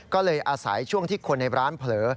ก็เลยอาศัยช่วงที่คนในร้านเผลอ